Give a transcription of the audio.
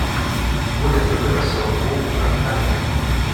Будь-який вимисел був виправданням